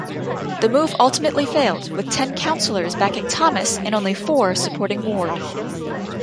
The move ultimately failed, with ten councillors backing Thomas and only four supporting Ward.